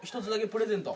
プレゼント？